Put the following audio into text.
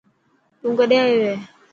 تون ڪڏين آيو هي.